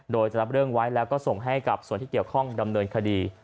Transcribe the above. โดยจะรับเรื่องไว้แล้วก็ส่งให้กับส่วนที่เกี่ยวข้องดำเนินคดี